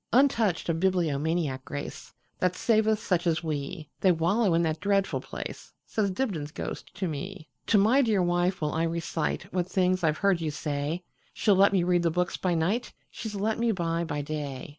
Untouched of bibliomaniac grace, That saveth such as we, They wallow in that dreadful place,"Says Dibdin's ghost to me."To my dear wife will I reciteWhat things I 've heard you say; She 'll let me read the books by nightShe 's let me buy by day.